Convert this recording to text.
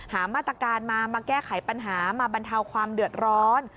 หามาตรการมามาแก้ไขปัญหามาบรรเทาความเดือดร้อน